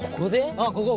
ああここ